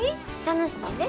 楽しいで。